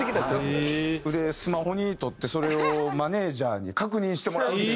それでスマホに録ってそれをマネジャーに確認してもらって。